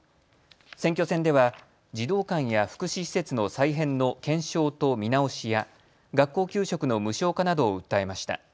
選挙戦では児童館や福祉施設の再編の検証と見直しや学校給食の無償化などを訴えました。